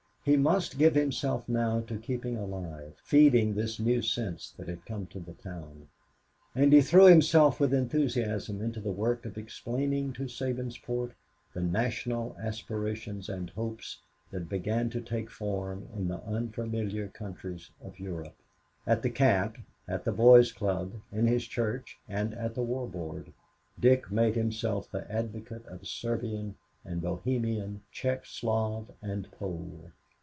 He must give himself now to keeping alive, feeding this new sense that had come to the town; and he threw himself with enthusiasm into the work of explaining to Sabinsport the national aspirations and hopes that began to take form in the unfamiliar countries of Europe. At the camp, at the Boys' Club, in his church, and at the War Board, Dick made himself the advocate of Serbian and Bohemian, Czecho Slav and Pole.